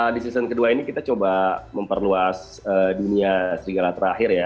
di season kedua ini kita coba memperluas dunia serigala terakhir ya